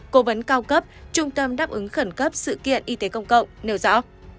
cố vấn cao cấp trung tâm đáp ứng khẩn cấp sự kiện y tế công cộng nêu rõ